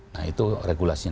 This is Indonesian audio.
nah itu regulasinya